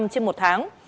trên một tháng